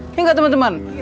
iya gak temen temen